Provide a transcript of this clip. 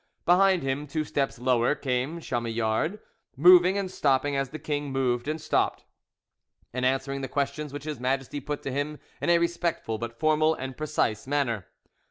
Behind him, two steps lower, came Chamillard, moving and stopping as the king moved and stopped, and answering the questions which His Majesty put to him in a respectful but formal and precise manner.